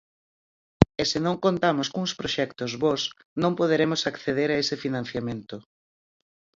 E se non contamos cuns proxectos bos, non poderemos acceder a ese financiamento.